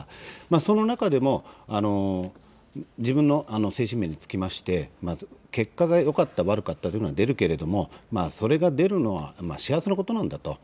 その中でも、自分の精神面につきまして、まず結果がよかった悪かったというのは出るけれども、それが出るのは幸せなことなんだと。